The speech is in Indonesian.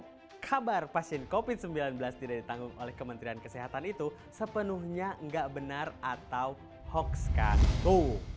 tapi kabar pasien covid sembilan belas tidak ditanggung oleh kementerian kesehatan itu sepenuhnya nggak benar atau hoax kartu